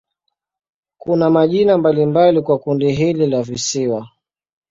Kuna majina mbalimbali kwa kundi hili la visiwa.